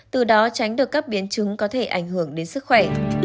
từ đó tránh được các biến chứng có thể ảnh hưởng đến sức khỏe